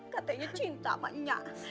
katanya cinta banyak